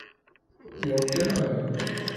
Jo, det var noget